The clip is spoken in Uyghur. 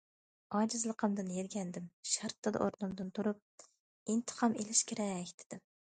ئاجىزلىقىمدىن يىرگەندىم، شارتتىدە ئورنۇمدىن تۇرۇپ:« ئىنتىقام ئېلىش كېرەك!» دېدىم.